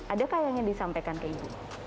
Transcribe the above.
adakah yang ingin disampaikan ke ibu